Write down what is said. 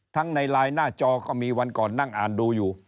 ในไลน์หน้าจอก็มีวันก่อนนั่งอ่านดูอยู่